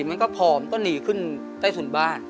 มันก็ผอมก็หนีขึ้นใต้ถุนบ้าน